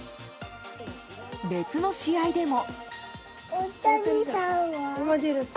別の試合でも。